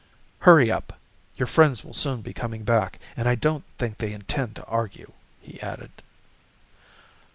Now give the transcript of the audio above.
Hurry up your friends will soon be coming back, and I don't think they intend to argue," he added.